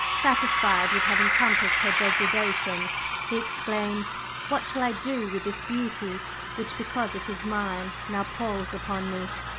Satisfied with having compassed her degradation, he exclaims: 'What shall I do with this beauty, which, because it is mine, now palls upon me?